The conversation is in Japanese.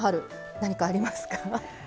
何かありますか？